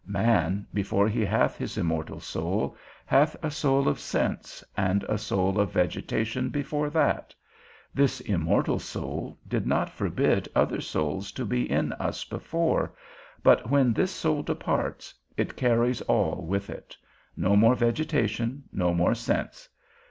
Man, before he hath his immortal soul, hath a soul of sense, and a soul of vegetation before that: this immortal soul did not forbid other souls to be in us before, but when this soul departs, it carries all with it; no more vegetation, no more sense.